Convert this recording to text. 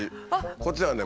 こっちはね